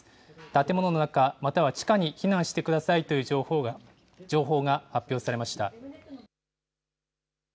建物の中、または地下に避難してくださいという情報が発表されました。